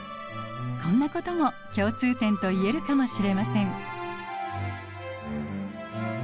こんなことも共通点といえるかもしれません。